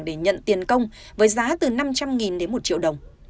để nhận tiền công với giá từ năm trăm linh đến một triệu đồng